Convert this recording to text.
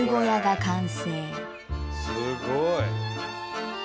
すごい！